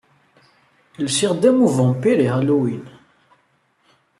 Lsiɣ-d am uvampir i Halloween.